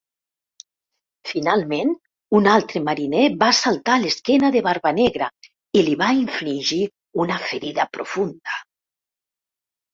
Finalment, un altre mariner va saltar a l'esquena de Barbanegra i li va infligir una ferida profunda.